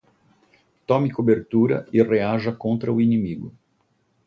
Tome cobertura e reaja contra o inimigo